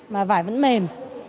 mà vải vẫn mềm